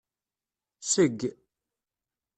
Seg.